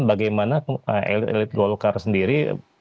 bagaimana elit elit golkar sendiri